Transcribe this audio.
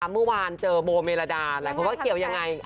เมื่อวานเจอโบเมรดาหลายคนว่าเกี่ยวยังไง